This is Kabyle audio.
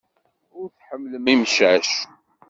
Ur tḥemmlem imcac.